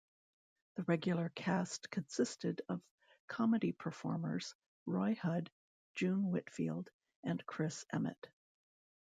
The regular cast consisted of comedy performers Roy Hudd, June Whitfield, and Chris Emmett.